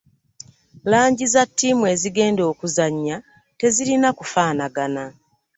Langi za ttimu ezigenda okuzannya tezirina kufaanagana.